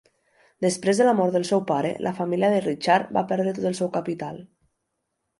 Després de la mort del seu pare, la família de Richard va perdre tot el seu capital.